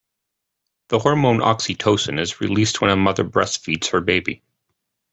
The hormone oxytocin is released when a mother breastfeeds her baby.